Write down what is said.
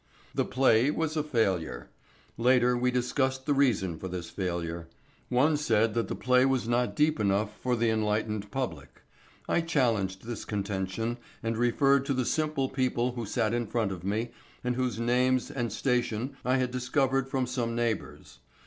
The play was a failure. Later we discussed the reason for this failure. One said that the play was not deep enough for the enlightened public. I challenged this contention, and referred to the simple people who sat in front of me and whose names and station I had discovered from some neighbours.